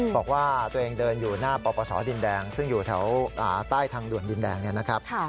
บอกว่าตัวเองเดินอยู่หน้าปปศดินแดงซึ่งอยู่แถวใต้ทางด่วนดินแดงเนี่ยนะครับ